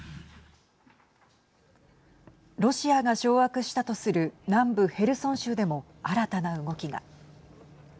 ロシアが掌握したとする南部ヘルソン州でも新たな動きが。